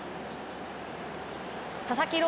佐々木朗